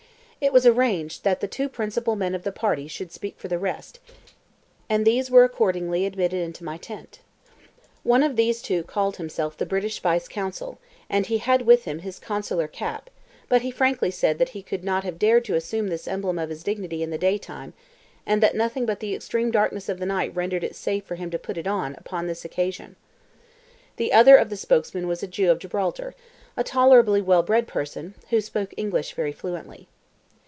It was arranged that the two principal men of the party should speak for the rest, and these were accordingly admitted into my tent. One of the two called himself the British vice consul, and he had with him his consular cap, but he frankly said that he could not have dared to assume this emblem of his dignity in the daytime, and that nothing but the extreme darkness of the night rendered it safe for him to put it on upon this occasion. The other of the spokesmen was a Jew of Gibraltar, a tolerably well bred person, who spoke English very fluently.